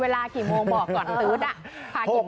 เวลากี่โมงบอกก่อนตื๊ด